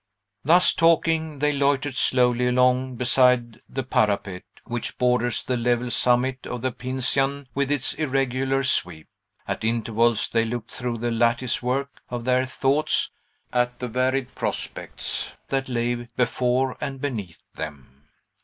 Thus talking, they loitered slowly along beside the parapet which borders the level summit of the Pincian with its irregular sweep. At intervals they looked through the lattice work of their thoughts at the varied prospects that lay before and beneath them.